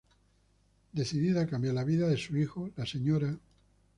Decidida a cambiar la vida de su hijo, la Sra.